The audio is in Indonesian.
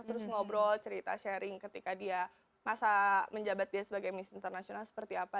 terus ngobrol cerita sharing ketika dia masa menjabat dia sebagai miss international seperti apa